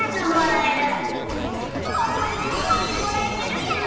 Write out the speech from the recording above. ほんまにごほうびもらえてるやん。